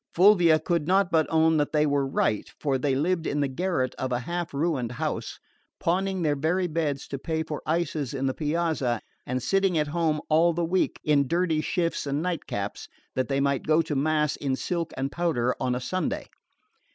Fulvia could not but own that they were right; for they lived in the garret of a half ruined house, pawning their very beds to pay for ices in the Piazza and sitting at home all the week in dirty shifts and night caps that they might go to mass in silk and powder on a Sunday.